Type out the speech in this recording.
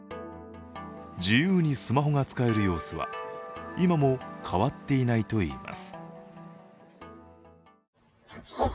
自由にスマホが使える様子は今も変わっていないといいます。